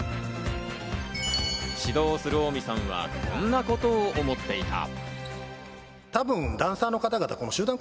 指導する大海さんは、こんなことを思っていた。